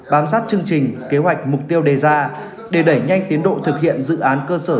bám sát chương trình kế hoạch mục tiêu đề ra để đẩy nhanh tiến độ thực hiện dự án cơ sở